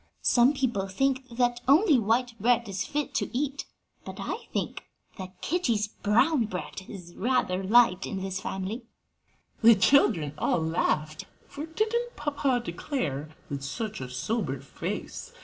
"Some people think that only white bread is fit to eat, but I think that Kitty's brown bread is rather liked in this family." The children all laughed, for didn't papa declare with such a sober face!